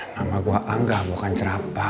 nama gue angga bukan cerapa